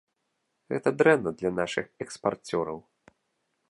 Гэта дрэнна для нашых экспарцёраў.